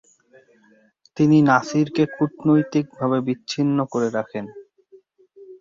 তিনি নাসিরকে কূটনৈতিকভাবে বিচ্ছিন্ন করে রাখেন।